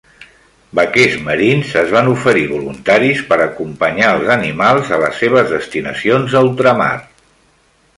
Vaquers marins es van oferir voluntaris per acompanyar els animals a les seves destinacions a ultramar.